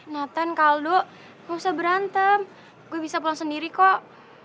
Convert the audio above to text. nathan kak aldo lo gak usah berantem gue bisa pulang sendiri kok